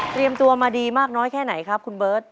ตัวมาดีมากน้อยแค่ไหนครับคุณเบิร์ต